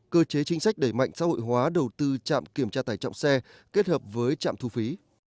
cơ chế chính sách đẩy mạnh xã hội hóa đầu tư trạm kiểm tra tải trọng xe kết hợp với trạm thu phí